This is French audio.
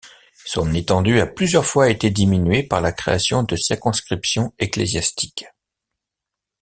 Son étendue a plusieurs fois été diminuée par la création de circonscriptions ecclésiastiques.